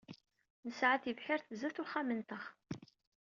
Nesɛa tibḥirt sdat uxxam-nteɣ.